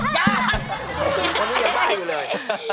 คนนี้ยังบ้าอยู่เลย